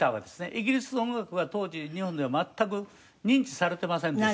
イギリス音楽は当時日本では全く認知されてませんでした。